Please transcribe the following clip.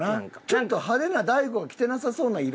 ちょっと派手な大悟が着てなさそうな色。